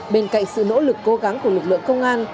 bên cạnh sự nỗ lực cố gắng của lực lượng công an